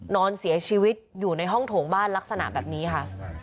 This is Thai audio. นอนเสียชีวิตอยู่ในห้องโถงบ้านลักษณะแบบนี้ค่ะ